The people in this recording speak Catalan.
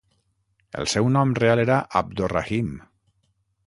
El seu nom real era "Abdorrahim".